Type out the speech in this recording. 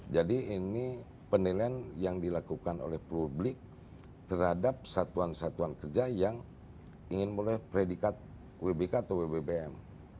jadi ini penilaian yang dilakukan oleh publik terhadap satuan satuan kerja yang ingin melakukan predikat wbk atau wbbm